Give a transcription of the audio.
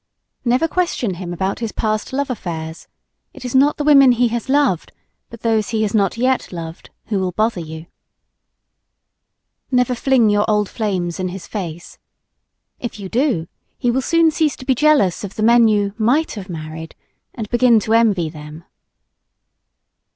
Never question him about his past love affairs. It is not the women he has loved, but those he has not yet loved, who will bother you. Never fling your old flames in his face. If you do he will soon cease to be jealous of the men you "might have married" and begin to envy them.